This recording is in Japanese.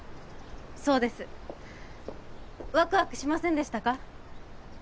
そうですワクワクしませんでしたか？